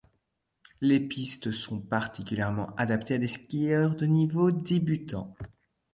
Les pistes sont particulièrement adaptées à des skieurs de niveau débutant.